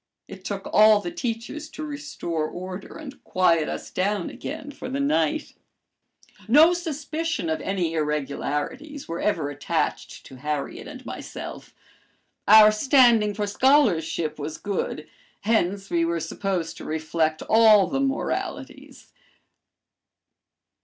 It took all the teachers to restore order and quiet us down again for the night. No suspicion of any irregularities were ever attached to Harriet and myself. Our standing for scholarship was good, hence we were supposed to reflect all the moralities.